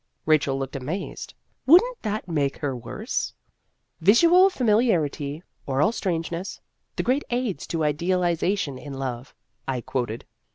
Rachel looked amazed. " Would n't that make her worse ?""' Visual familiarity, oral strangeness the great aids to idealization in love,' " I quoted.